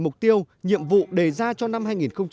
mục tiêu nhiệm vụ đề ra cho năm